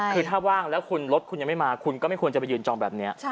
คือถ้าว่างแล้วคุณรถคุณยังไม่มาคุณก็ไม่ควรจะไปยืนจองแบบนี้